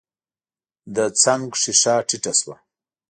د څنګ ښېښه ټيټه شوه.